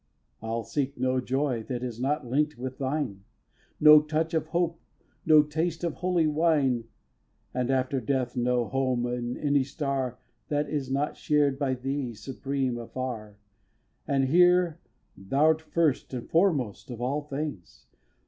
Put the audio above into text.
ix. I'll seek no joy that is not link'd with thine, No touch of hope, no taste of holy wine, And, after death, no home in any star That is not shared by thee, supreme, afar, As here thou'rt first and foremost of all things!